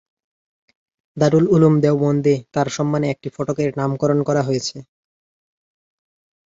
দারুল উলুম দেওবন্দে তার সম্মানে একটি ফটকের নামকরণ করা হয়েছে।